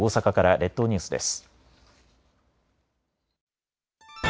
列島ニュースです。